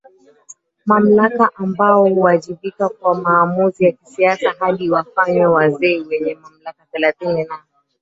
mamlaka ambao huwajibika kwa maamuzi ya kisiasa hadi wafanywe wazee wenye mamlaka Thelathini na